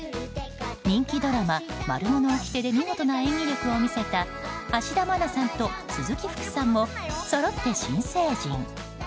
人気ドラマ「マルモのおきて」で見事な演技力を見せた芦田愛菜さんと鈴木福さんもそろって新成人。